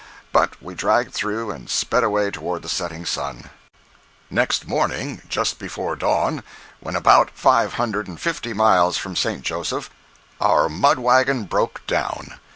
But we dragged through and sped away toward the setting sun. 061.jpg (69K) Next morning, just before dawn, when about five hundred and fifty miles from St. Joseph, our mud wagon broke down.